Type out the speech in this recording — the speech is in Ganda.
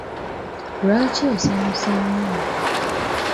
Lwaki osanyuse nnyo?